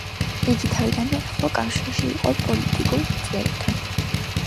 იგი თავიდანვე ახლო კავშირში იყო პოლიტიკურ წრეებთან.